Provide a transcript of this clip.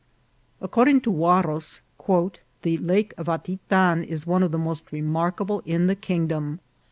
According to Huarros, " the Lake of Atitan is one of the most remarkable in the kingdom.